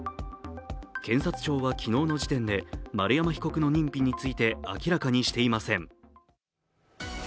検察庁は昨日の時点で丸山被告の認否について明らかにしていません。